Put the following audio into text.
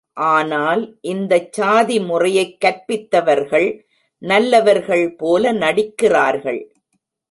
ஆனால், இந்தச் சாதி முறையைக் கற்பித்தவர்கள் நல்லவர்கள் போல நடிக்கிறார்கள்.